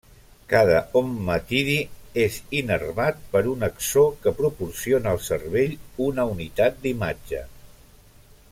Cada ommatidi és innervat per un axó que proporciona al cervell una unitat d'imatge.